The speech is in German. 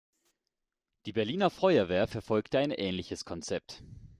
Die Berliner Feuerwehr verfolgte ein ähnliches Konzept.